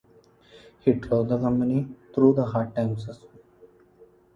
He drove the company through hard times as well.